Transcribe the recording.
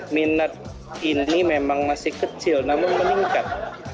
minat ini memang masih kecil namun meningkat